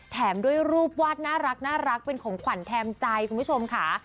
แถมด้วยรูปวาดน่ารักเป็นของขวัญแทนใจคุณผู้ชมค่ะ